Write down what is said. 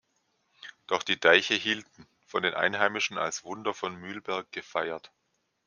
Doch die Deiche hielten, von den Einheimischen als „Wunder von Mühlberg“ gefeiert.